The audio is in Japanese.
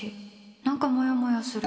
何かモヤモヤする。